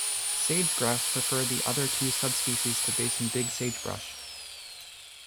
Sage grouse prefer the other two subspecies to basin big sagebrush.